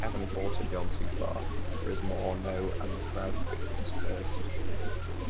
Davenport had gone too far, charisma or no, and the crowd quickly dispersed.